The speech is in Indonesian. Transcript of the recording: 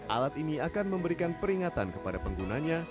alat ini akan memberikan peringatan kepada penggunanya